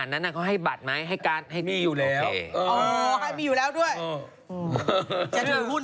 นี่ไงนี่ไงมีคนเสี่ยวเงิน